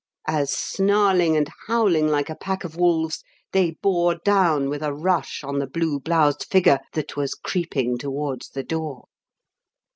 as, snarling and howling like a pack of wolves, they bore down with a rush on the blue bloused figure that was creeping towards the door.